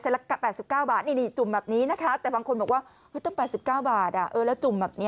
๘๙บาทนี่จุ่มแบบนี้นะคะแต่บางคนบอกว่าต้อง๘๙บาทแล้วจุ่มแบบนี้